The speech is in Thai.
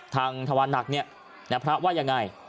ทางธวานักเนี่ยพระว่ายังไง